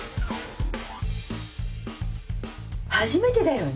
初めてだよね？